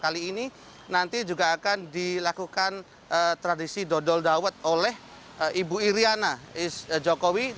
kali ini nanti juga akan dilakukan tradisi dodol dawet oleh ibu iryana jokowi